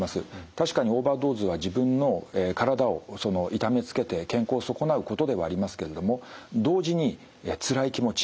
確かにオーバードーズは自分の体を痛めつけて健康を損なうことではありますけれども同時につらい気持ち